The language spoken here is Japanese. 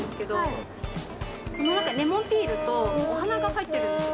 中にレモンピールとお花が入ってるんですよ。